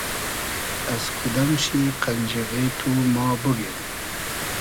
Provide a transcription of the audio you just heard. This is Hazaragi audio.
از کودئم شی قئنجیغې تو ما بوگیم